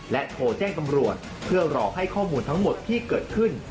โทรแจ้งตำรวจเพื่อรอให้ข้อมูลทั้งหมดที่เกิดขึ้น